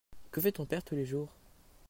Que fait ton père tous les jours.